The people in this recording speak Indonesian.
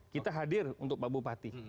kita hadir untuk pak bupati